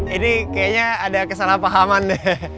ini kayaknya ada kesalahpahaman deh